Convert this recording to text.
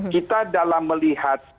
kita dalam melihat